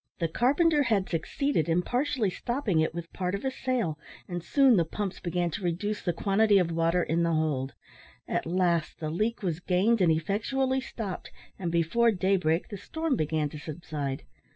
The carpenter had succeeded in partially stopping it with part of a sail, and soon the pumps began to reduce the quantity of water in the hold. At last the leak was gained and effectually stopped, and before daybreak the storm began to subside.